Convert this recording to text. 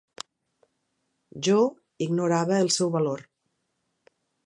Jo ignorava el seu valor.